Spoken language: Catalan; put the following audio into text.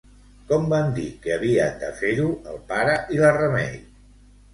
Com van dir que havien de fer-ho el pare i la Remei?